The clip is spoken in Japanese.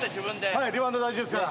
はいリバウンド大事ですから。